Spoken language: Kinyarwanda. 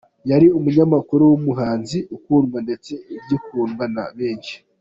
Yari Umunyamakuru n’Umuhanzi, ukundwa ndetse ugikundwa na benshi.